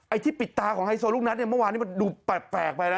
ที่ปิดตาของไฮโซลูกนัดเนี่ยเมื่อวานนี้มันดูแปลกไปนะ